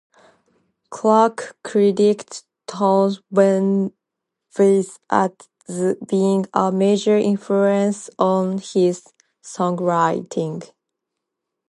Clark credits Townes Van Zandt as being a major influence on his songwriting.